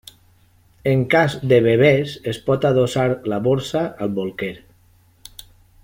En cas de bebès es pot adossar la borsa al bolquer.